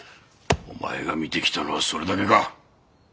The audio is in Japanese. お前が見てきたのはそれだけか。